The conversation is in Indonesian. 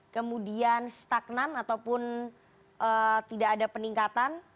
kemudian stagnan ataupun tidak ada peningkatan